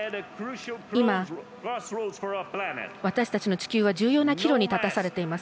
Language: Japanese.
今、私たちの地球は重要な岐路に立たされています。